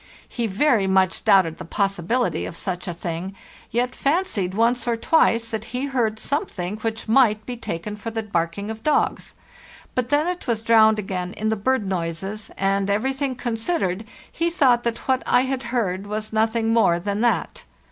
He very much doubted the possibility of such a thing, yet fancied once or twice that he heard something which might be taken for the barking of dogs; but then it was drowned again in the bird noises, and, everything considered, he thought that what I had heard was nothing more than that.